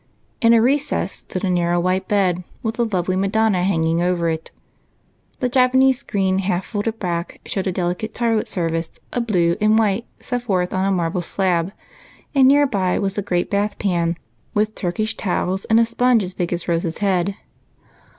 In a recess stood a narrow white bed, with a lovely Madonna hanging over it. The Japanese screen half folded back showed a delicate toilet service of blue and white set forth on a marble slab, and near by was the great bath pan, with Turkish towels and a sponge as big as Rose's head.